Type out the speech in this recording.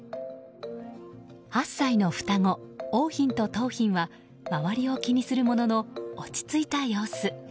８歳の双子、桜浜と桃浜は周りを気にするものの落ち着いた様子。